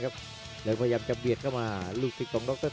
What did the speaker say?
กันต่อแพทย์จินดอร์